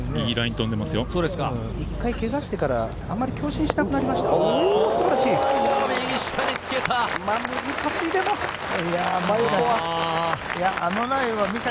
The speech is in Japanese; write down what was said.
一回けがをしてから、あまり強振しなくなりました。